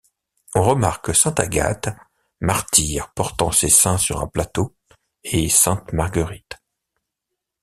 On remarque sainte Agathe, martyre portant ses seins sur un plateau, et sainte Marguerite.